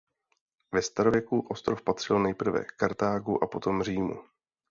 Ve starověku ostrov patřil nejprve Kartágu a potom Římu.